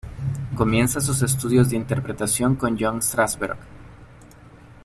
Comienza sus estudios de interpretación con John Strasberg.